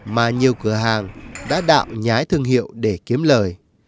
mà nhiều cửa hàng đã đạm nhái thương hiệu để kiếm lời